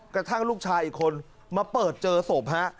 กระทั่งลูกชายอีกคนมาเปิดเจอศพฮะ